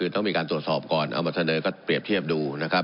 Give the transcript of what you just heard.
ต้องมีการตรวจสอบก่อนเอามาเสนอก็เปรียบเทียบดูนะครับ